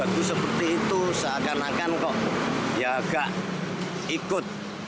bagus seperti itu seakan akan kok ya gak ikut